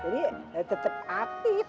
jadi tetap aktif